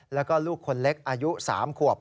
แล้วก็ลูกคนเล็กอายุ๓ขวบ